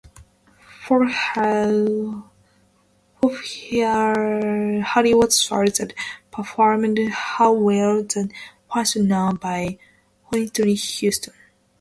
For her Hollywood solo, she performed "How Will the First Know" by Whitney Houston.